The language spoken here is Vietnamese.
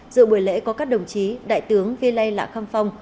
dự buổi lễ có các đồng chí đại tướng vi lây lạ khăm phong